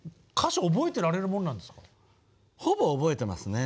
ほぼ覚えていますね。